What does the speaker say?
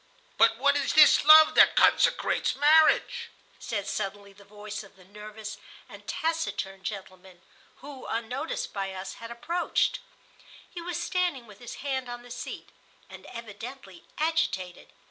"But what is this love that consecrates marriage?" said, suddenly, the voice of the nervous and taciturn gentleman, who, unnoticed by us, had approached. He was standing with his hand on the seat, and evidently agitated.